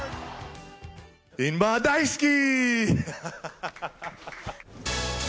メンバー大好き。